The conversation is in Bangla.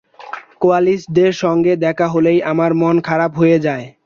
কোয়ালিস্টদের সঙ্গে দেখা হলেই আমার মন খারাপ হয়ে যায়?